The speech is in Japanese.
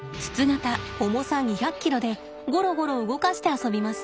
重さ２００ｋｇでゴロゴロ動かして遊びます。